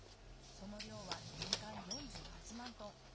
その量は年間４８万トン。